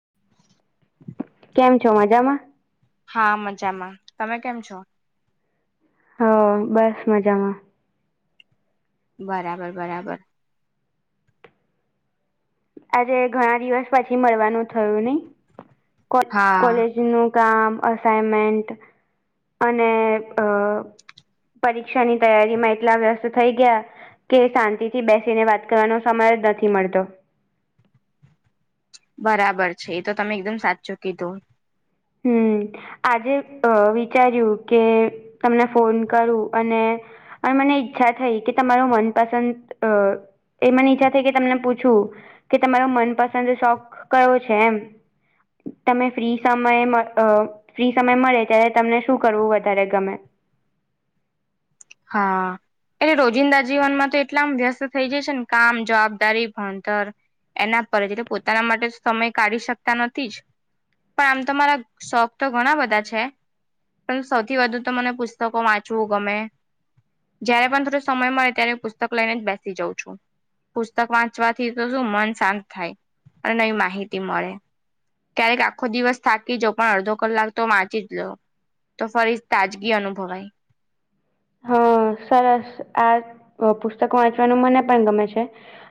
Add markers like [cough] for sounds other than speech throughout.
હમ [inaudible] કેમ છો મજામાં? હા મજામાં. તમે કેમ છો? હહ બસ મજામાં. બરાબર બરાબર. આજે ઘણા દિવસ પછી મળવાનું થયું નહી? કો હા કોલેજનું કામ, અસાઇનમેન્ટ અને અ પરીક્ષાની તૈયારીમાં એટલા વ્યસ્ત થઈ ગયા. કે શાંતિથી બેસીને વાત કરવાનો સમય જ નથી મળતો. બરાબર છે. ઈ તો તમે એકદમ સાચું કીધું. હમ આજે અ વિચાર્યું કે તમને ફોન કરું અને અને મને ઈચ્છા થઈ કે તમારું મનપસંદ અ એ મને ઈચ્છા થઈ કે તમને પૂછું કે તમારો મનપસંદ શોખ કયો છે એમ? તમે ફ્રી સમ મય મ અ ફ્રી સમય મળે ત્યારે તમને શું કરવું વધારે ગમે? હા એ રોજિંદા જીવનમાં તો એટલા આમ વ્યસ્ત થઈ જઈએ છે ને કામ જવાબદારી ભણતર એના પર જ એટલે પોતાના માટે સમય કાઢી શકતા નથી, જ પણ આમ તો મારા શોખ તો ઘણા બધા છે. પણ સૌથી વધુ તો મને પુસ્તકો વાંચવું ગમે. જયારે પણ થોડો સમય મળે, ત્યારે હું પુસ્તક લઈને જ બેસી જાઉં છું. પુસ્તક વાંચવાથી તો શું મન શાંત થાય અને નવી માહિતી મળે. ક્યારેક આખો દિવસ થાકી જાવ પણ અડધો કલાક તો વાંચી જ લો. તો ફરી તાજગી અનુભવાય. હા, સરસ આ પુસ્તક વાંચવાનું મને પણ ગમે છે.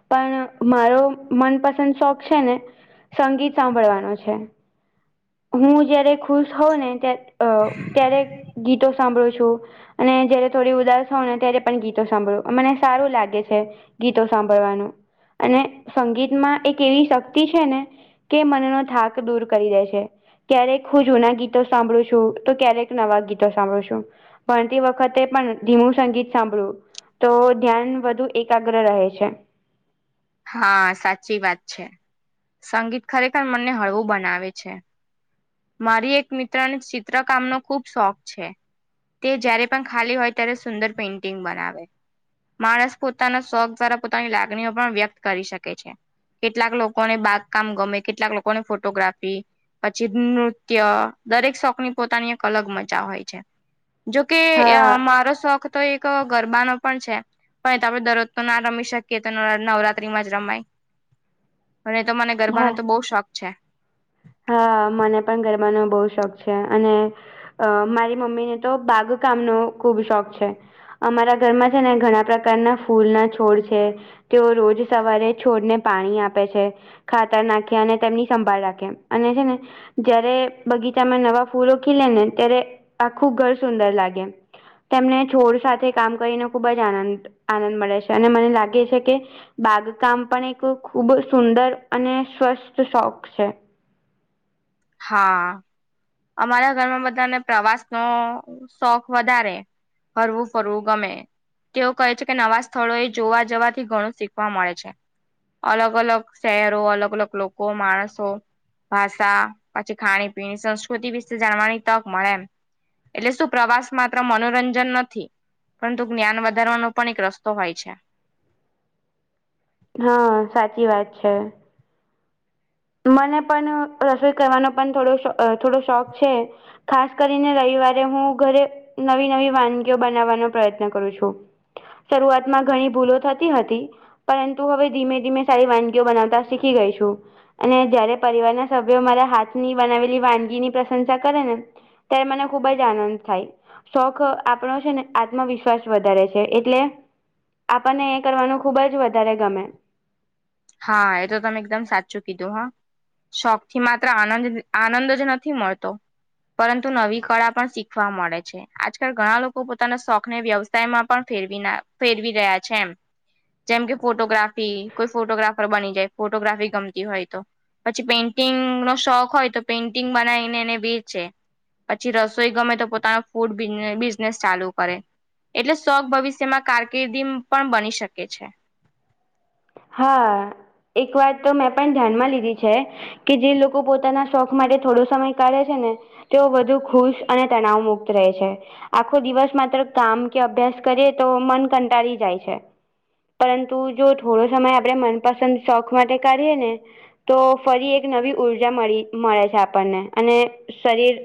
પણ મારો મનપસંદ શોખ છે, ને સંગીત સાંભળવાનો છે, હું જયારે ખુશ હોઉં ને ત્યારે. અ ક્યારે ગીતો સાંભળો છો, અને જયારે થોડી ઉદાસ હોઉ ને ત્યારે પણ ગીતો સાંભળું મને સારું લાગે છે, ગીતો સાંભળવાનું. અને સંગીતમાં એક એવી શક્તિ છે, ને કે મનનો થાક દૂર કરી દે છે. ક્યારેક હું જૂના ગીતો સાંભળું છું, તો ક્યારેક નવા ગીતો સાંભળું છું. ભણતી વખત તે પણ ધીમું સંગીત સાંભળવું તો ધ્યાન વધુ એકાગ્ર રહે છે. હા સાચી વાત છે, સંગીત ખરેખર મનને હળવું બનાવે છે. મારી એક મિત્રને ચિત્રકામ નો ખુબ શોખ છે. તે જયારે પણ ખાલી હોય ત્યારે સુંદર પેઇન્ટિંગ બનાવે. માણસ પોતાના શોખ દ્વારા પોતાની લાગણીઓ પણ વ્યક્ત કરી શકે છે. કેટલાક લોકોને બાગકામ ગમે કેટલાક લોકોને ફોટોગ્રાફી, પછી નૃત્ય દરેક શોખની પોતાની એક અલગ મજા હોય છે. જોકે અ હા મારો શોખ. તો એક ગરબા ન પણ છે, પણ આપડે દરરોજ તો ના રમી શકીએ તો નવરાત્રી, કરીમાં જ રમાય અને તો મને ગરબાનો હા તો બહુ શોખ છે. હા મને પણ ગરબાનો બહુ શોખ છે, અને અ મારી મમ્મીને તો બાગકામનો ખુબ શોખ છે. અમારા ઘરમાં છે, ને ઘણા પ્રકારના ફૂલ ના છોડ છે. તેઓ રોજ સવારે છોડને પાણી આપે છે, ખાતર નાખે અને તેમની સંભાળ રાખે. અને છે, ને જયારે બગીચામાં નવા ફૂલો ખીલે ને ત્યારે આખું ઘર સુંદર લાગે. તેમને છોડ સાથે કામ કરીને ખુબ જ આનંદ આનંદ મળે છે, અને મને લાગે છે, કે બાગકામ પણ એક ખૂબ સુંદર અને સ્વસ્થ શોખ છે. હા, અમારા ઘરમાં બધાને પ્રવાસ નો શોખ વધારે, ફરવું ફરવું ગમે. તેઓ કહે છે, કે નવા સ્થળો એ જોવા જવાથી ઘણું શીખવા મળે છે. અલગ અલગ શહેરો અલગ અલગ લોકો માણસો ભાષા. પછી ખાણી પીણી સંસ્કૃતિ વિશે જાણવાની તક મળે એમ, એટલે શું પ્રવાસ માત્ર મનોરંજન નથી. પરંતુ જ્ઞાન વધારવાનો પણ એક રસ્તો હોય છે. હા સાચી વાત છે. મને પણ રસોઈ કરવાનો પણ થોડો થોડો શોખ છે, ખાસ કરીને રવિવારે હું ઘરે, નવી નવી વાનગીઓ બનાવવાનો પ્રયત્ન કરું છું. શરૂઆતમાં ઘણી ભૂલો થતી હતી. પરંતુ હવે ધીમે ધીમે સારી વાનગીઓ બનાવતા શીખી ગઈ છું. અને જયારે પરિવારના સભ્યો મારા હાથની બનાવેલી વાનગીની પ્રશંસા કરે ને ત્યારે મને ખુબ જ આનંદ થાય. શોખ આપણો છે, ને આત્મવિશ્વાસ વધારે છે, એટલે આપણને એ કરવાનું ખૂબ જ વધારે ગમે. હા એ તો તમે એકદમ સાચું કીધું હા. શોખ થી માત્ર આનંદ આનંદ જ નથી મળતો પરંતુ નવી કળા પણ શીખવા મળે છે. આજકાલ ઘણા લોકો પોતાના શોખને વ્યવસાય માં પણ ફેરવી ફેરવી રહ્યા છે, એમ. જેમ કે ફોટોગ્રાફી કોઈ ફોટોગ્રાફર બની જાય ફોટોગ્રાફી ગમતી હોય તો. પછી પેઇન્ટિંગ નો શોખ હોય તો પેઇન્ટિંગ બનાવીને એને વેચે છેે. પછી રસોઈ ગમે તો પોતાનું ફૂડ બિસીબેસ બિઝનેસ ચાલુ કરે. એટલે શોક ભવિષ્યમાં કારકિર્દી પણ બની શકે છે. હા એક વાત તો મેં પણ ધ્યાનમાં લીધી છે કે જે લોકો પોતાના શોખ માટે થોડો સમય કાઢે છે ને તેઓ વધુ ખુશ અને તનાવ મુક્ત રહે છે. આખો દિવસ માત્ર કામ કે અભ્યાસ કરીએ તો મન કંટાળી જાય છે. પરંતુ જો થોડો સમય આપણેે મનપસંદ શોખ માટે કાઢીએ ને તો ફરી એક નવી ઉઊર્જા મળી મળે છે આપણને અને શરીર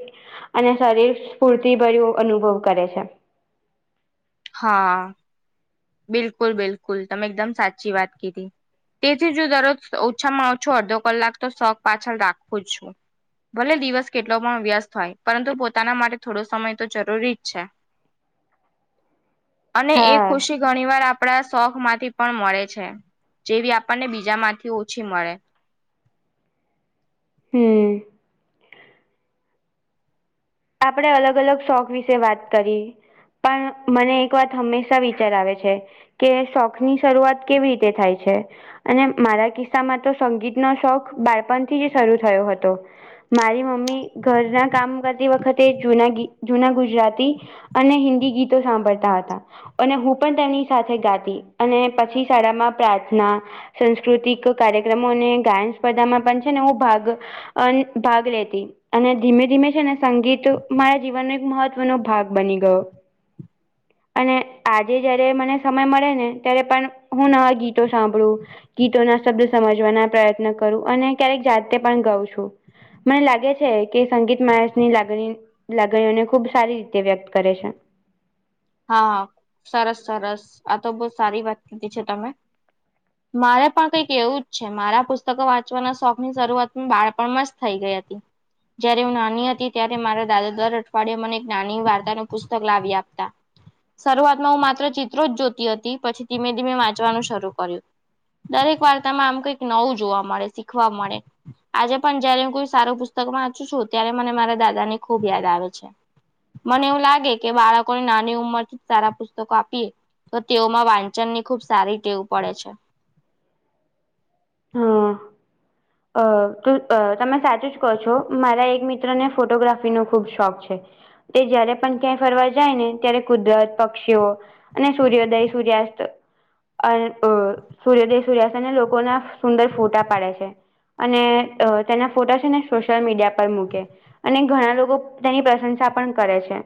અને શરીર સ્ફૂર્તિભર્યું અનુભવ કરે છે. હા. બિલકુલ બિલકુલ તમે એકદમ સાચી વાત કીધી. તેથી જો દરરોજ ઓછામાં ઓછું અડધો કલાક તો શોક પાછળ રાખવું જ છું. ભલે દિવસ કેટલો પણ વ્યસ્ત હોય પરંતુ પોતાના માટે થોડો સમય તો જરૂરી જ છે. [inaudible] અને એ હા ખુશી ઘણી વાર આપણા શોખ માંથી પણ મળે છે, જેવી આપણને બીજા માંથી ઓછી મળે. હમ. આપણે અલગ અલગ શોખ વિશે વાત કરી. પણ મને એક વાત હંમેશા વિચાર આવે છે કે શોખ ની શરૂઆત કેવી રીતે થાય છે? અને મારા કિસ્સામાં તો સંગીતનો શોખ બાળપણ થી જ શરૂ થયો હતો. મારી મમ્મી ઘર ના કામ કર વખતે જૂના જૂના ગુજરાતી અને હિન્દી ગીતો સાંભળતા હતાં. અને હું પણ તેમની સાથે ગાતી અને પછી શાળામાં પ્રાર્થના સાસ્કૃતિક કાર્યક્રમો અને ગાયન સ્પર્ધામાં પણ છે ને હું ભાગ અ ભાગ લેતી અને ધીમે ધીમે છે ને સંગીત મારા જીવનનો એક મહત્વનોો ભાગ બની ગયો. અને આજે જયારે મને સમય મળે ને ત્યારે પણ હું નવા ગીતો સાંભળું ગીતો ના શબ્દ સમજવાના પ્રયત્ન કરું અને ક્યારેક જાતે પણ ગાઉં છું. મને લાગે છે, કે સંગીતમાં ની લાગણી લાગણીઓને ખુબ સારી રીતે વ્યક્ત કરે છે. હા સરસ સરસ આ તો બહુ સારી વાત કીધી છે તમે. [unintelligible] મારે પણ કઈક એવું જ છે મારા પુસ્તકો વાંચવાના શોખ ની શરૂઆત બાળપણમાં જ થઈ ગઈ હતી. જયારે હું નાની હતી ત્યારે મારા દાદા દર અઠવાડિયે મને એક નાની વાર્તા નુ પુસ્તક લાવી આપતાં. શરૂઆતમાં હું માત્ર ચિત્રો જ જોતી હતી પછી ધીમે ધીમે વાંચવાનું શરૂ કર્યું. દરેક વાર્તામાં આમ કઈક નવું જોવા મળે શીખવા મળે. આજે પણ જયારે હું કોઈ સારું પુસ્તક વાંચું છું ત્યારે મને મારા દાદા ને ખુબ યાદ આવે છે. મને એવું લાગે કે બાળકોને નાની ઉંમર થી સારા પુસ્તકો આપીએ તો તેઓમાં વાંચન ની ખુબ સારી ટેવું પડે છે. હમ. અ તમે સાચું જ કહો છો મારા એક મિત્ર ને ફોટોગ્રાફીનોો ખૂબ શોખ છે. તે જયારે પણ ક્યાંય ફરવા જાય ને ત્યારે કુદરત પક્ષીઓ અને સૂર્યોદય સૂર્યાસ્ત અ સૂર્યોદય સૂર્યાસ્ત અને લોકોના સુંદર ફોટા પાડે છે અને તેના ફોટા છે ને સોશિયલ મીડિયા પર મૂકે અને ઘણા લોકો તેની પ્રશંસા પણ કરે છે.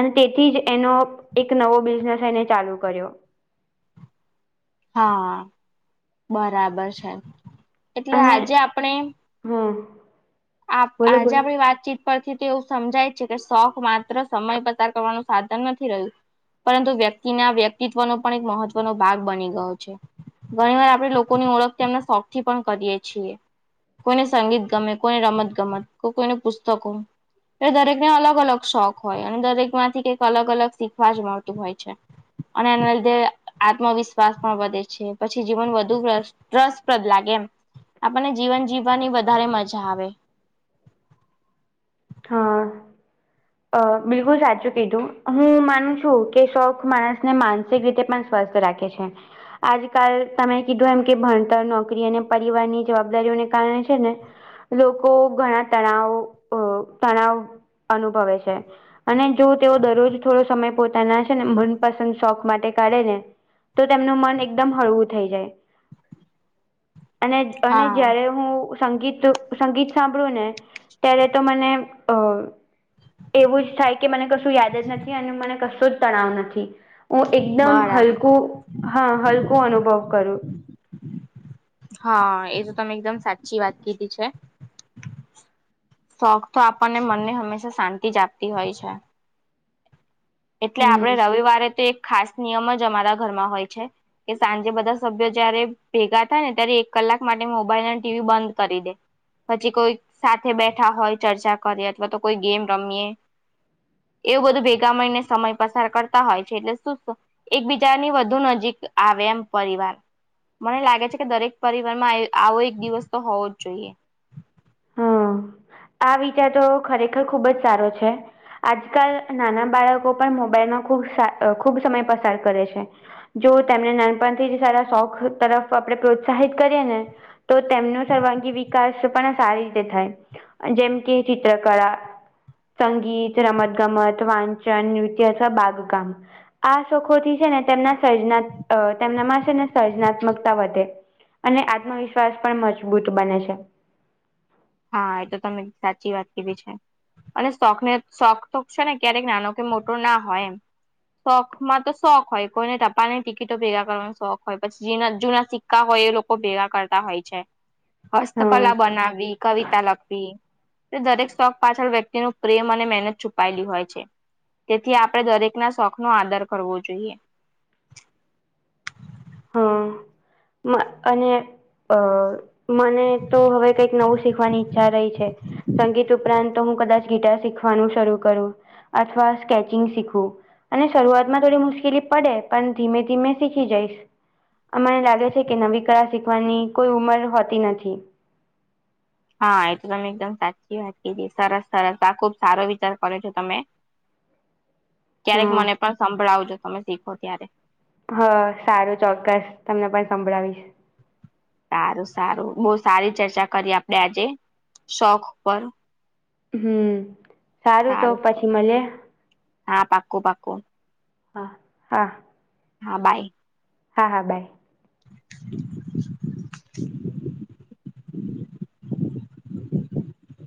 અને તેથી જ એનો એક નવો બિઝનેસ એને ચાલુ કર્યો. હા બરાબર છે એટલે આજે આપણે હા. આપ આજે આપણી વાતચીત પરથી તો એવું સમજાય છે કે શોખ માત્ર સમય પસાર કરવાનું સાધન નથી રહ્યું પરંતુ વ્યક્તિના વ્યક્તિત્વનો પણ એક મહત્વનો ભાગ બની ગયો છે. ઘણી વાર આપણે લોકોની ઓળખના શોખથી પણ કરીએ છીએ કોઈને સંગીત ગમે કોઈને રમત ગમત કો કોઈને પુસ્તકો એ દરેકને અલગ અલગ શોખ હોય અને દરેક માંથી કંઈક અલગ અલગ શીખવા જ મળતું હોય છે. અને એના લીધે આત્મવિશ્વાસ પણ વધે છે પછી જીવન વધુ ભ્રષ્ટ રસપ્રદ લાગે એમ આપણને જીવન જીવવાની વધારે મજા આવે હા. અ બિલકુલ સાચું કીધું હું માનું છું કે શોખ માણસ ને માનસિક રીતે પણ સ્વસ્થ રાખે છે. આજકાલ તમે કીધું એમ કે ભણતર નોકરી અને પરિવારની જવાબદારીઓને કારણે છે ને લોકો ઘણા તણાવ તણાવ અનુભવે છે. અને જો તેઓ દરરોજ થોડો સમય પોતાના છે ને મનપસંદ શોખ માટે કાઢે ને તો તેમનું મન એકદમ હળવું થઈ જાય અને અને હા જયારે હું સંગીત સંગીત સાંભળ્યું ને ત્યારે તો મને અ એવું જ થાય કે મને કશું યાદ જ નથી અને મને કશું જ તણાવ નથી. હું એકદમ બરાબર હલકું હા હલકું અનુભવ કરું હા એ તો તમે એકદમ સાચી વાત કીધી છે. શોખ તો આપણને મનને હંમેશા શાંતિ જ આપતી હોય છે. એટલે આપણે હમ રવિવારે તો એક ખાસ નિયમ જ અમારા ઘરમાં હોય છે. કે સાંજે બધા સભ્યો જયારે ભેગા થાય ને ત્યારે એક કલાક માટે મોબાઈલ અને ટીવી બંધ કરી દે પછી કોઈ સાથે બેઠા હોય ચર્ચા કરીએ અથવા તો કોઈ ગેમ રમીએ. એવું બધું ભેગા મળી ને સમય પસાર કરતા હોય છે એટલે શું એકબીજાની વધુ નજીક આવે એમ પરિવાર મને લાગે છે કે દરેક પરિવારમાં આવો એક દિવસ તો હોવો જ જોઈએ. હમ્મ આ વિચાર તો ખરેખર ખુબ જ સારો છે. આજકાલ નાના બાળકો પણ મોબાઈલનો ખૂબ ખુબ સમય પસાર કરે છે. જો તેમને નાનપણથી જ સારા શોખ તરફ આપણે પ્રોત્સાહિત કરીએ ને તો તેમનો સર્વાંગી વિકાસ પણ સારી રીતે થાય જેમ કે ચિત્રકળા સંગીત રમત ગમત વાંચન નૃત્ય છે બાગકામ આ શોખોથી છે ને તેમના સર્જના તેમનામાં છે ને સર્જનાત્મકતા વધે અને આત્મવિશ્વાસ પણ મજબૂત બને છે. હા એ તો તમે સાચી વાત કીધી છે. અને શોખને શોખ તો છે ને ક્યારેક નાનો કે મોટો ના હોય એમ શોખ માં તો શોખ હોય કોઈને ટપાલ ની ટિકિટો ભેગા કરવાનો શોખ હોય પછી જુના સિક કા હોય એ લોકો ભેગા કરતા હોય છે. હ હસ્તકલા બનાવી કવિતા લખવી તે દરેક શોખ પાછળ વ્યક્તિ નુ પ્રેમ અને મહેનત છુપાયેલી હોય છે. તેથી આપડણે દરેક ના શોખ નો આદર કરવો જોઈએ. હા અને અ મને તો હવે કઈક નવું શીખવાની ઈચ્છા રહી છે. સંગીત ઉપરાંત તો હું કદાચ ગિટાર શીખવાનું શરૂ કરું અથવા સ્કેચિંગ શીખું. અને શરૂઆતમાં થોડી મુશ્કેલી પડે પણ ધીમે ધીમે શીખી જઈશ. મને લાગે છે કે નવી કળા શીખવાની કોઈ ઉંમર હોતી નથી. હા એ તો તમે એકદમ સાચી વાત કીધી સરસ સરસ આ ખુબ સારો વિચાર કરો છો તમે. [inaudible] ક્યારેક હમ મને પણ સંભળાવજો તમે શીખો ત્યારે. હ સારું ચોક્કસ તમને પણ સંભળાવીશ. સારું સારું બહુ સારી ચર્ચા કરીએ આપડે આજે, શોખ પર. હમ. તો સારું પછી મળીએ હા પાકું પાકું. હા હા. હા બાય. હા હા બાય. [inaudible] [inaudible]